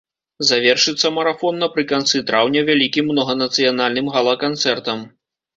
Завершыцца марафон напрыканцы траўня вялікім многанацыянальным гала-канцэртам.